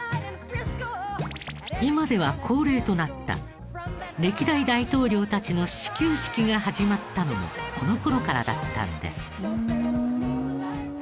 今では恒例となった歴代大統領たちの始球式が始まったのもこの頃からだったんです。